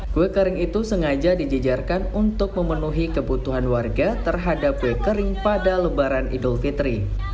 kue kering itu sengaja dijejarkan untuk memenuhi kebutuhan warga terhadap kue kering pada lebaran idul fitri